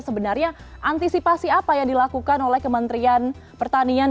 sebenarnya antisipasi apa yang dilakukan oleh kementerian pertanian